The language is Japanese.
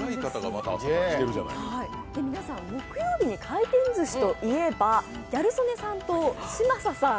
皆さん、木曜日に回転ずしといえばギャル曽根さんと嶋佐さん